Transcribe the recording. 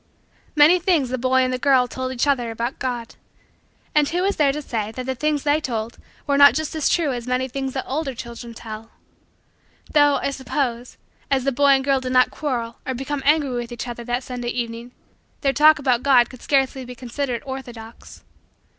Many things the boy and the girl told each other about God. And who is there to say that the things they told were not just as true as many things that older children tell? Though, I suppose, as the boy and girl did not quarrel or become angry with each other that Sunday evening, their talk about God could scarcely be considered orthodox.